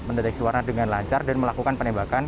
mendeteksi warna dengan lancar dan melakukan penembakan